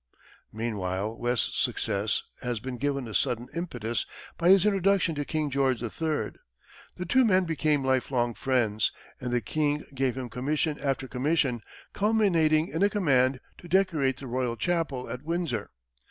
Meanwhile West's success had been given a sudden impetus by his introduction to King George III. The two men became lifelong friends, and the King gave him commission after commission, culminating in a command to decorate the Royal Chapel at Windsor.